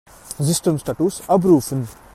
Systemstatus abrufen!